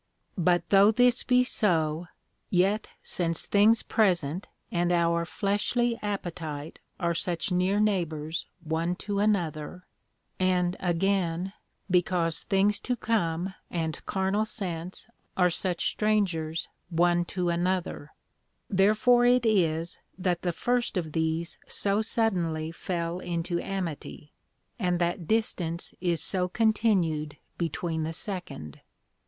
But though this be so, yet since things present and our fleshly appetite are such near neighbors one to another; and, again, because things to come and carnal sense are such strangers one to another; therefore it is that the first of these so suddenly fell into amity, and that distance is so continued between the second.